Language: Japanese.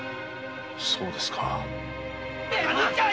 そうですか。